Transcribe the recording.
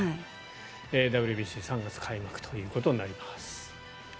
ＷＢＣ３月開幕ということになります。